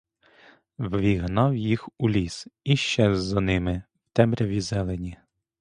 Ввігнав їх у ліс і щез за ними в темряві зелені.